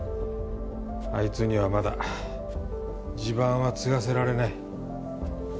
あいつにはまだ地盤は継がせられない。